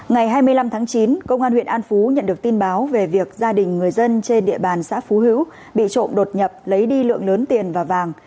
ngày hai mươi năm tháng chín công an huyện an phú nhận được tin báo về việc gia đình người dân trên địa bàn xã phú hữu bị trộm đột nhập lấy đi lượng lớn tiền và vàng